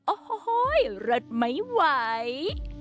โอ้โฮรัดไหมไหว